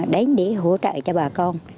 đấy để hỗ trợ cho bà con